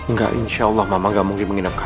nggak insya allah mama nggak mungkin menginap kanker